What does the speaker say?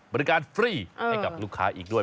บริการฟรีให้กับลูกค้าอีกด้วย